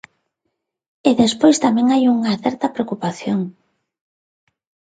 E despois tamén hai unha certa preocupación.